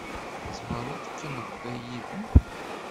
Tzemreḍ ad teqqimeḍ da yid-i.